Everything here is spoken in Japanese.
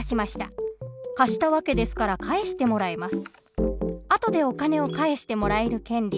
貸した訳ですから返してもらえます。